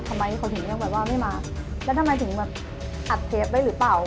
ทำไมเขาถึงเลือกแบบว่าไม่มาแล้วทำไมถึงแบบอัดเทปไว้หรือเปล่า